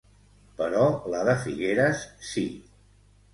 Però la de Figueres, sí.